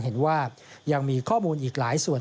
เห็นว่ายังมีข้อมูลอีกหลายส่วน